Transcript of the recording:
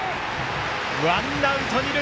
ワンアウト、二塁。